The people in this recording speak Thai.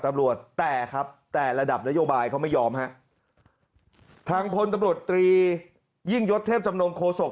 ตำรวจแต่ครับแต่ระดับนโยบายเขาไม่ยอมฮะทางพลตำรวจตรียิ่งยศเทพจำนงโคศก